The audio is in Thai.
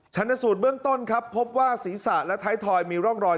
ชนสูตรเบื้องต้นครับพบว่าศีรษะและท้ายทอยมีร่องรอย